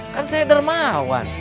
kan saya dermawan